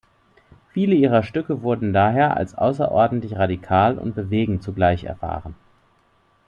Viele ihrer Stücke wurden daher als außerordentlich radikal und bewegend zugleich erfahren.